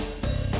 eh mbak be